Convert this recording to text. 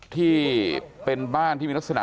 ที่เป็นบ้านที่มีลักษณะ